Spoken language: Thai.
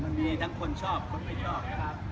มันมีทั้งคนชอบคนไม่ชอบ